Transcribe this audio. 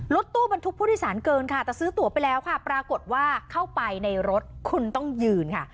รถตู้บรรทุกผู้โดยสารเกินค่ะแต่ซื้อตัวไปแล้วค่ะปรากฏว่าเข้าไปในรถคุณต้องยืนค่ะ